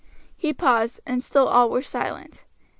He paused, and still all were silent.